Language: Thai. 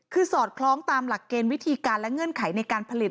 คือสอดคล้องตามหลักเกณฑ์วิธีการและเงื่อนไขในการผลิต